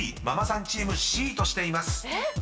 ［ママさんチームＣとしています］